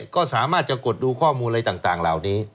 ก็สามารถจะกดดูข้อมูลอะไรต่างเหล่านี้